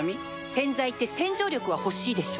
洗剤って洗浄力は欲しいでしょ